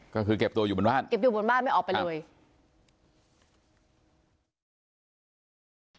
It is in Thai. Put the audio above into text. ก็คือเก็บตัวอยู่บนบ้านเก็บอยู่บนบ้านไม่ออกไปเลย